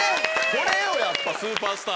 これよやっぱスーパースターは。